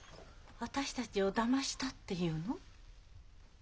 私たちをだましたっていうの？